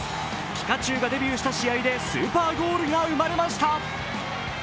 ピカチュウがデビューした試合でスーパーゴールが生まれました。